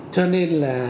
cho nên là